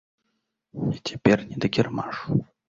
Цяпер не да кірмашу.